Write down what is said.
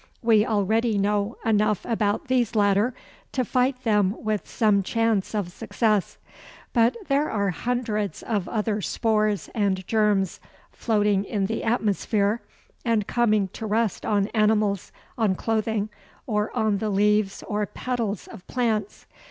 We already know enough about these latter to fight them with some chance of success, but there are hundreds of other spores and germs floating in the atmosphere, and coming to rest on animals, on clothing, or on the leaves or petals of plants.